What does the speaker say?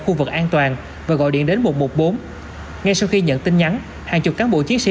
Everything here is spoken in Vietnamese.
khu vực an toàn và gọi điện đến một trăm một mươi bốn ngay sau khi nhận tin nhắn hàng chục cán bộ chiến sĩ